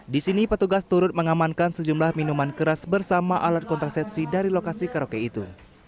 di sini petugas turut mengamankan sejumlah minuman keras bersama alat kontrasepsi dari lokasi karaoke itu